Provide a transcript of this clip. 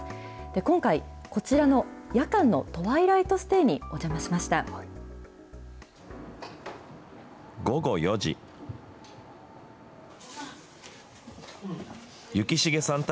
今回、こちらの夜間のトワイライトステイにお邪魔しました。